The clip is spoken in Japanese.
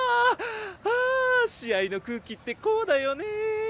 ああ試合の空気ってこうだよね！